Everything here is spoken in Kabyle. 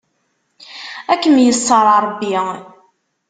Ad kem-iṣer Ṛebbi.